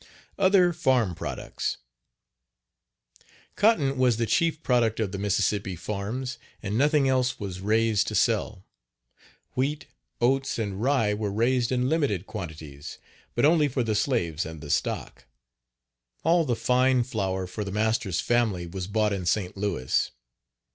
OTHER FARM PRODUCTS. Cotton was the chief product of the Mississippi farms and nothing else was raised to sell. Wheat, oats and rye were raised in limited quantities, but only for the slaves and the stock. All the fine flour for the master's family was bought in St. Louis.